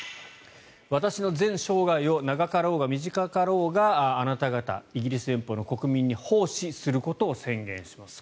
私の全生涯を長かろうが短かろうがあなた方、イギリス連邦の国民に奉仕することを宣言します。